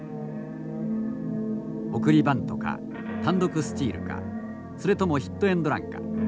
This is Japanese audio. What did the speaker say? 送りバントか単独スチールかそれともヒットエンドランか。